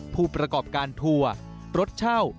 ผู้ประกอบการทัวร์รถเช่า